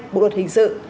bộ luật hình sự